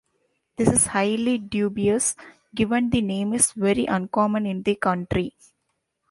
This is highly dubious, given the name is very uncommon in the country.